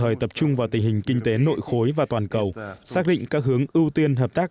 hội nghị sẽ tập trung vào tình hình kinh tế nội khối và toàn cầu xác định các hướng ưu tiên hợp tác